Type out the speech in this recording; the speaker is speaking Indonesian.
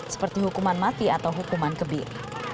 seperti hukuman mati atau hukuman kebit